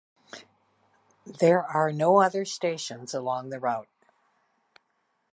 There are no other stations along the route.